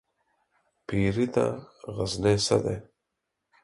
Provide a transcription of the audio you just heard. پيري ته غزنى څه دى ؟